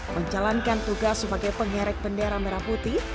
menjalankan tugas sebagai pengerek bendera merah putih